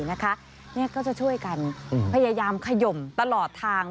นี่ก็จะช่วยกันพยายามขยมตลอดทาง